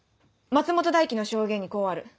松本大希の証言にこうある。